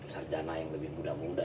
sarjana yang lebih muda muda